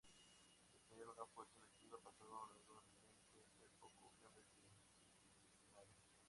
De ser una fuerza efectiva, pasaron gradualmente a ser poco fiables e indisciplinados.